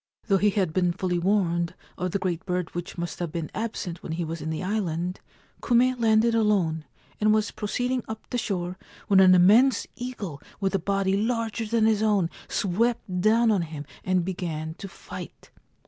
Though he had been fully warned of the great bird which must have been absent when he was in the island, Kume landed alone, and was proceeding up the shore when an immense eagle with a body larger than his own swept down on him and began to fight.